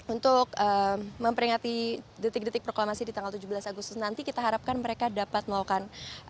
untuk memperingati detik detik proklamasi di tanggal tujuh belas agustus nanti kita harapkan mereka dapat melakukan